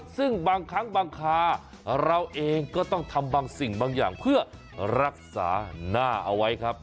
ซึ่งบางครั้งบางคาเราเองก็ต้องทำบางสิ่งบางอย่างเพื่อรักษาหน้าเอาไว้ครับ